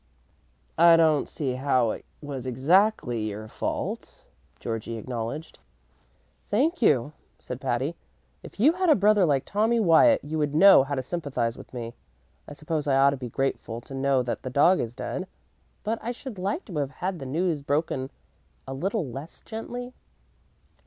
"I don't see how it was exactly your fault," Georgie acknowledged. "Thank you," said Patty. "If you had a brother like Tommy Wyatt you would know how to sympathize with me. I suppose I ought to be grateful to know that the dog is dead, but I should like to have had the news broken a little less gently."